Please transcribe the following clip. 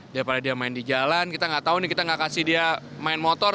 dia pada dia main di jalan kita gak tau nih kita gak kasih dia main motor